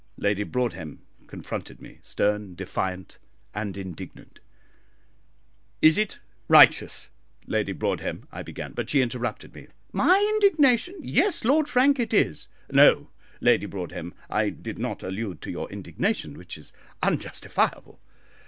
Lady Broadhem confronted me, stern, defiant, and indignant. "Is it righteous, Lady Broadhem " I began, but she interrupted me. "My indignation? Yes, Lord Frank, it is." "No, Lady Broadhem; I did not allude to your indignation, which is unjustifiable.